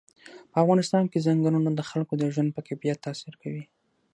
په افغانستان کې ځنګلونه د خلکو د ژوند په کیفیت تاثیر کوي.